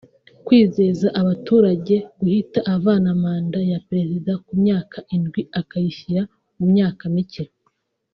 Kwizeza abaturage guhita avana manda ya perezida ku myaka indwi akayishyira ku myaka mike